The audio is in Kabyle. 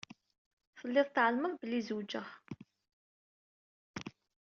Telliḍ tɛelmeḍ belli zewǧeɣ.